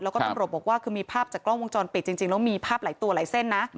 แล้วก็ตำรวจบอกว่าคือมีภาพจากกล้องวงจรปิดจริงแล้วมีภาพหลายตัวหลายเส้นนะ